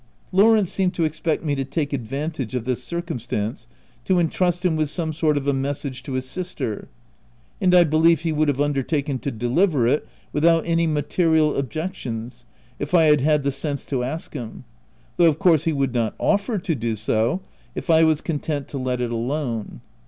Lawrence seemed to expect me to take ad vantage of this circumstance to intrust him with some sort of a message to his sister ; and I believe he would have undertaken to deliver it without any material objections, if I had had the sense to ask him ; though of course he would not offer to do so, if I was content to let it alone.